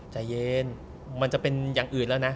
ใจเย็นมันจะเป็นอย่างอื่นแล้วนะ